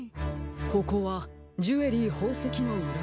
ここはジュエリーほうせきのうらぐち。